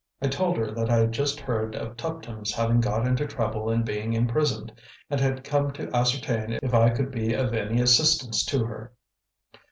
I told her that I had just heard of Tuptim's having got into trouble and being imprisoned, and had come to ascertain if I could be of any assistance to her.